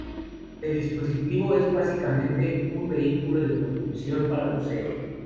El dispositivo es, básicamente, un vehículo de propulsión para buceo.